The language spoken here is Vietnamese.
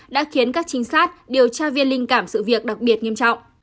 đã khiến các trinh sát điều tra viên linh cảm sự việc đặc biệt nghiêm trọng